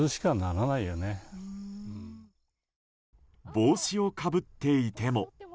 帽子をかぶっていても。